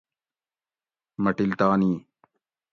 مٹلتانی